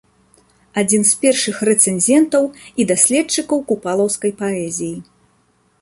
Адзін з першых рэцэнзентаў і даследчыкаў купалаўскай паэзіі.